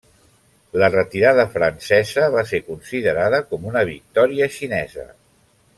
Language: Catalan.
La retirada francesa va ser considerada com una victòria xinesa.